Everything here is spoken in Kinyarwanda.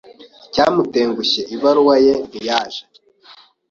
Icyamutengushye, ibaruwa ye ntiyaje.